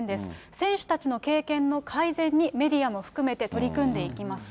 選手たちの経験の改善にメディアも含めて取り組んでいきますと。